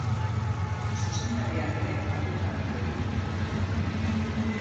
Zuzendari andre agurgarri hori.